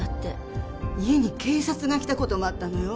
家に警察が来たこともあったのよ。